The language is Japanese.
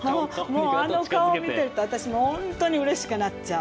もうあの顔を見ていると私も本当にうれしくなっちゃう。